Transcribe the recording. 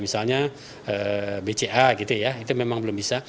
misalnya bca gitu ya itu memang belum bisa